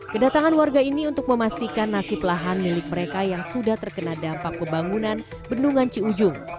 kedatangan warga ini untuk memastikan nasib lahan milik mereka yang sudah terkena dampak pembangunan bendungan ciujung